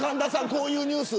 こういうニュース。